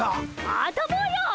あたぼうよ。